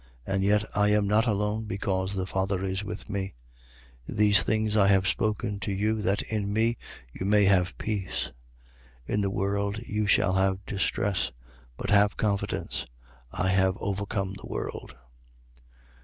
And yet I am not alone, because the Father is with me. 16:33. These things I have spoken to you, that in me you may have peace. In the world you shall have distress. But have confidence. I have overcome the world.